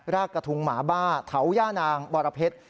กระทุงหมาบ้าเถาย่านางบรเพชร